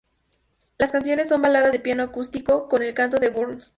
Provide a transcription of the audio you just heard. Las canciones son baladas de piano acústico con el canto de Burns.